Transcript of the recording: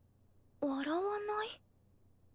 「笑わない」？